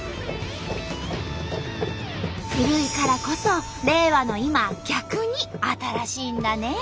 古いからこそ令和の今逆に新しいんだね。